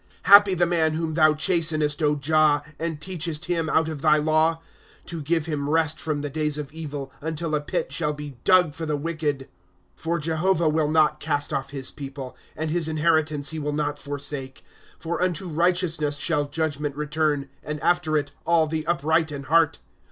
'^ Happy the man whom thou chastenest, Jah, And teachest him out of thy law ; 1' To give him rest from the days of evil, Until a pit shall be dug for the wicked. " For Jehovah will not cast off his people, And his inheritance he will not forsake. 1* For unto righteousness shall judgment return, And after it, all the upright in heart.